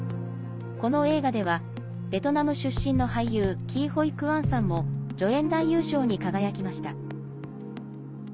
この映画ではベトナム出身の俳優キー・ホイ・クァンさんも助演男優賞に輝きました。